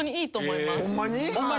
ホンマに？